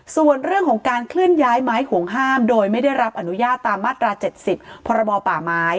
ส่วนเรื่องของการเคลื่อนย้ายไม้ห่วงห้ามโดยไม่ได้รับอนุญาตตามมาตรา๗๐พรบป่าไม้